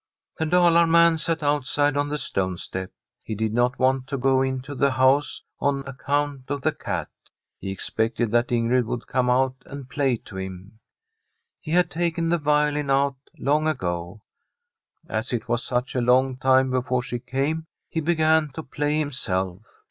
The Dalar man sat outside on the stone step ; he did not want to go into the house on account of the cat. He expected that Ingrid would come out and play to him. He had taken the violin out long ago. As it was such a long time before she came, he began to play himself.